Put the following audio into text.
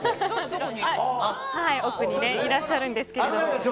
奥にいらっしゃるんですけれども。